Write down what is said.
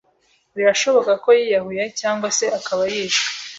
Birashoboka ko yiyahuye cyangwa se akaba yishwe?